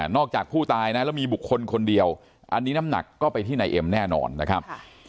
จากผู้ตายนะแล้วมีบุคคลคนเดียวอันนี้น้ำหนักก็ไปที่นายเอ็มแน่นอนนะครับ